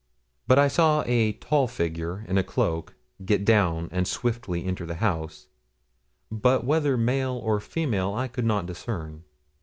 But I saw a tall figure, in a cloak, get down and swiftly enter the house, but whether male or female I could not discern.